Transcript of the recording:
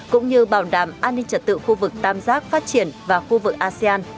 cũng như bảo đảm an ninh trật tự khu vực tam giác phát triển và khu vực asean